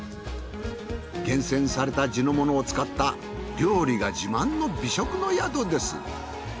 厳選された地のものを使った料理が自慢の美食の宿です。